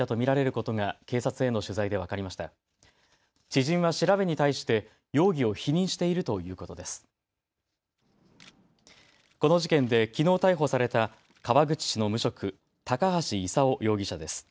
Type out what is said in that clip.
この事件できのう逮捕された川口市の無職、高橋勲容疑者です。